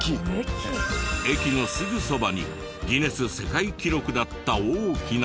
駅のすぐそばにギネス世界記録だった大きな地球儀時計も。